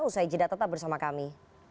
usai jeda tetap bersama kami